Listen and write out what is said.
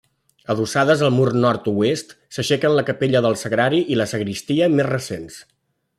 Adossades al mur nord-oest s'aixequen la capella del Sagrari i la sagristia, més recents.